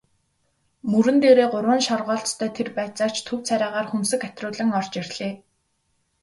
Мөрөн дээрээ гурван шоргоолжтой тэр байцаагч төв царайгаар хөмсөг атируулан орж ирлээ.